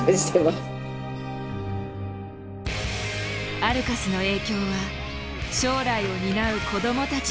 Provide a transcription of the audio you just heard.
アルカスの影響は将来を担う子どもたちにも。